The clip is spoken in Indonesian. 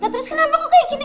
terus kenapa kok kayak gini